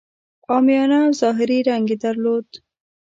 عامیانه او ظاهري رنګ یې درلود.